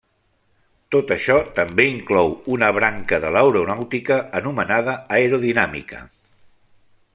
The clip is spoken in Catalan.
Tot això també inclou una branca de l'aeronàutica anomenada aerodinàmica.